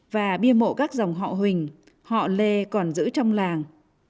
và bia mộ các dòng họ huỳnh họ lê còn giữ trong làng